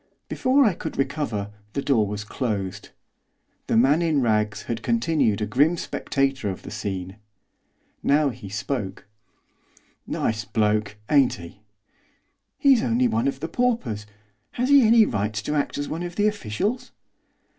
Before I could recover the door was closed. The man in rags had continued a grim spectator of the scene. Now he spoke. 'Nice bloke, ain't he?' 'He's only one of the paupers, has he any right to act as one of the officials?